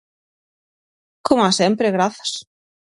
Coma sempre, grazas.